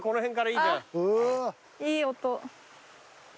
いい音。